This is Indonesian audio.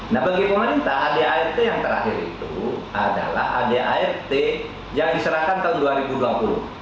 nah bagi pemerintah adart yang terakhir itu adalah adart yang diserahkan tahun dua ribu dua puluh